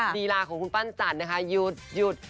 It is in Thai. ธีราของคุณปั้นจันทร์นะคะหยุดหยุด